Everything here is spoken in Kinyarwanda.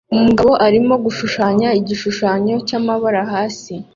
Umugabo arimo gushushanya igishushanyo cyamabara hasi